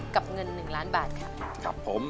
กับเงิน๑ล้านบาทครับ